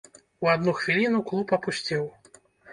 У адну хвіліну клуб апусцеў.